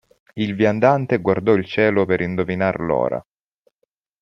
Il viandante guardò il cielo per indovinar l'ora.